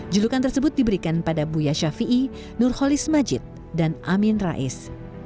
julukan tersebut diberikan pada buya shafi'i nurholis majid dan amin rais